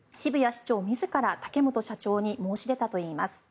市長水から竹本社長に申し出たといいます。